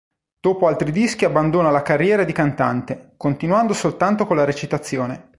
Dopo altri dischi abbandona la carriera di cantante, continuando soltanto con la recitazione.